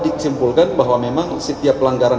disimpulkan bahwa memang setiap pelanggaran